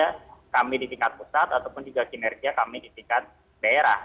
karena kami di tingkat pusat ataupun juga kinerja kami di tingkat daerah